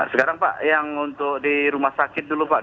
sekarang pak yang untuk di rumah sakit dulu pak